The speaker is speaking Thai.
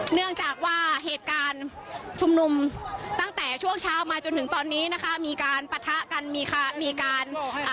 เนื่องจากว่าเหตุการณ์ชุมนุมตั้งแต่ช่วงเช้ามาจนถึงตอนนี้นะคะมีการปะทะกันมีค่ะมีการอ่า